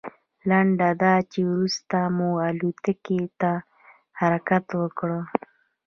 لنډه دا چې وروسته مو الوتکې ته حرکت وکړ.